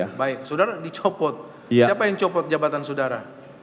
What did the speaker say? ya baik saudara dicopot siapa yang copot jabatan saudara